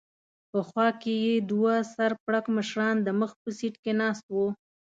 په خوا کې یې دوه سر پړکمشران د مخ په سېټ کې ناست و.